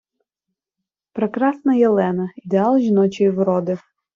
Прекрасна Єлена - ідеал жіночої вроди